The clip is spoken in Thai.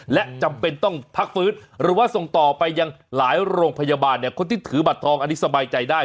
และจำเป็นต้องพักฟื้นหรือว่าส่งต่อไปยังหลายโรงพยาบาลเนี่ยคนที่ถือบัตรทองอันนี้สบายใจได้